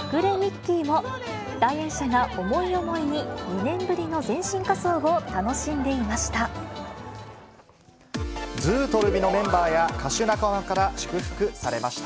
来園者が思い思いに、２年ぶりの全身仮装を楽しんでいました。